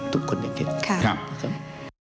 ทุกคนอยากเห็น